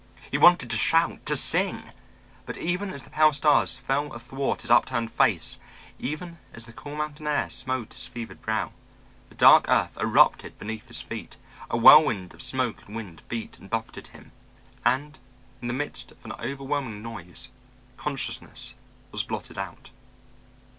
He wanted to shout, to sing, but even as the pale stars fell athwart his upturned face, even as the cool mountain air smote his fevered brow, the dark earth erupted beneath his feet, a whirlwind of smoke and wind beat and buffeted him, and, in the midst of an overwhelming noise, consciousness was blotted out!